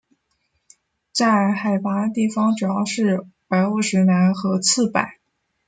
在海拔的地方主要是白欧石楠和刺柏。